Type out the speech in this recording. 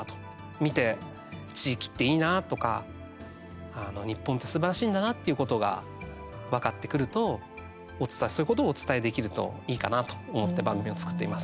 見て、地域っていいなとか日本ってすばらしいんだなっていうことが分かってくるとお伝えすることもできるといいかなと思って番組を作っています。